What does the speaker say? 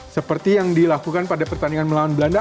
seperti yang dilakukan pada pertandingan melawan belanda